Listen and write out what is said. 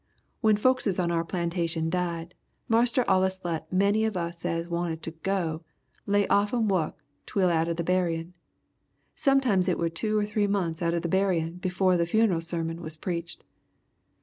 "When folkses on our plantation died Marster allus let many of us as wanted to go, lay offen wuk twel atter the buryin'. Sometimes it were two or three months atter the buryin' befo' the funeral sermon was preached.